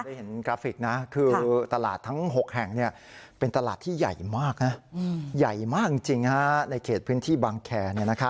ได้เห็นกราฟิกนะคือตลาดทั้ง๖แห่งเป็นตลาดที่ใหญ่มากนะใหญ่มากจริงในเขตพื้นที่บางแคร์